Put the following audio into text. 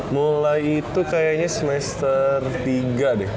mulai itu kayaknya semester tiga deh